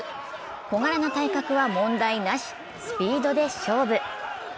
小柄な体格は問題なし、スピードで勝負。